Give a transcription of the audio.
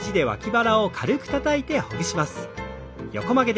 横曲げ。